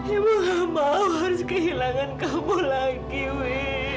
ibu tak mahu harus kehilangan kamu lagi wi